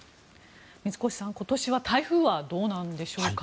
水越さん、今年は台風はどうなんでしょうか。